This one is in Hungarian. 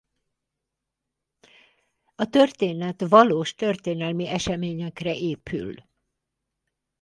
A történet valós történelmi eseményekre épül.